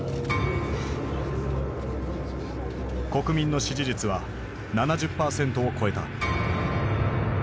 国民の支持率は７０％を超えた。